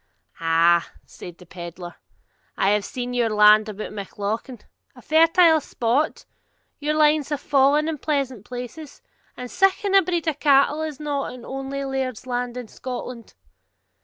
'Ah,' said the pedlar, 'I have seen your land about Mauchlin. A fertile spot! your lines have fallen in pleasant places! And siccan a breed o' cattle is not in ony laird's land in Scotland.'